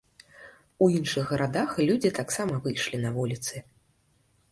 У іншых гарадах людзі таксама выйшлі на вуліцы.